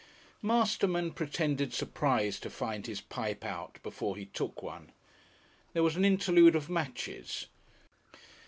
Masterman pretended surprise to find his pipe out before he took one. There was an interlude of matches.